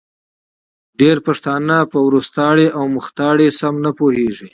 ډېری پښتانه په وروستاړې او مختاړې سم نه پوهېږې